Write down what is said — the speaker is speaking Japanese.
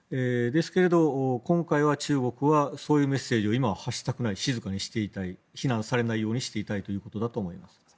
ですが、今回は中国はそういうメッセージを今は発したくない静かにしていたい非難されないようにしていたいということだと思います。